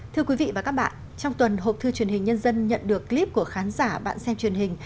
thưa quý vị và các bạn trong tuần hộp thư truyền hình nhân dân nhận được clip của khán giả bạn xem truyền hình